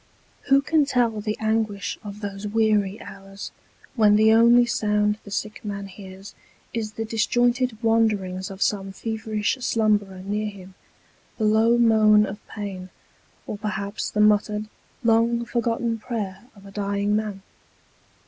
Who can tell the anguish of those weary hours, when the only sound the sick man hears, is the disjointed wanderings of some feverish slumberer near him, the low moan of pain, or perhaps the muttered, long forgotten prayer of the dying man